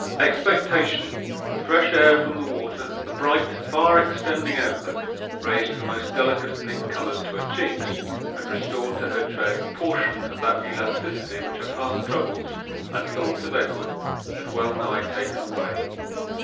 Expectation, the fresh air from the water, the bright, far extending outlook, raised the most delicate of pink colours to her cheeks, and restored to her tread a portion of that elasticity which her past troubles, and thoughts of Edward, had well nigh taken away.